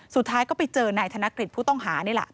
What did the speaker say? สุดท้ายก็ไปเจอไนทนกฤษผู้ต้องหารีล่ะ